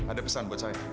ada pesan buat saya